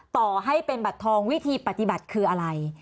ต่อให้เป็นบัตรทองวิธีปฏิบัติคืออะไร